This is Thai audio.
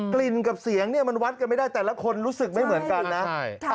กลิ่นกับเสียงเนี่ยมันวัดกันไม่ได้แต่ละคนรู้สึกไม่เหมือนกันนะ